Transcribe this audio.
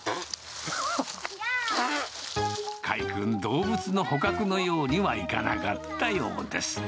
海君、動物の捕獲のようにはいかなかったようです。